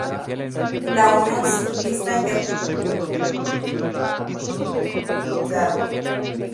La unión ciclista internacional formuló demanda de reclamación de cantidad.